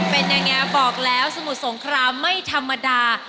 เป็นยังไงบอกแล้วสมุทรสงครามไม่ธรรมดา